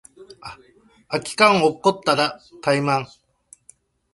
空き缶落っこちたらタイマン